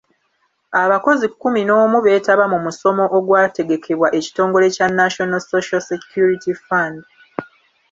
Abakozi kkumi n'omu beetaba mu musomo ogwategekebwa ekitogole kya National Social Security Fund.